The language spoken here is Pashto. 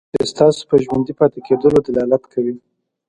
چې ستاسو په ژوندي پاتې کېدلو دلالت کوي.